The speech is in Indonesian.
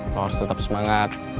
lo harus tetap semangat